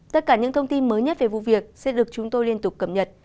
tất cả những thông tin mới nhất về vụ việc sẽ được chúng tôi liên tục cập nhật